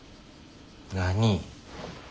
何？